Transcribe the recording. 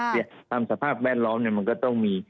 นี่ตามสภาพแวดล้อมมันก็ต้องมี